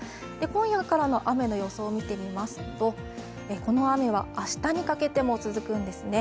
今夜からの雨の予想を見てみますとこの雨は明日にかけても続くんですね。